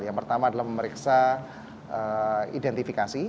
yang pertama adalah memeriksa identifikasi